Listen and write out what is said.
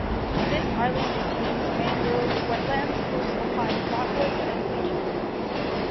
The island contains mangrove wetlands, coastal pine flatwoods, and beaches.